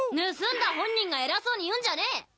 盗んだ本人が偉そうに言うんじゃねえ！